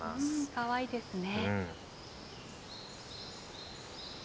かわいいですね。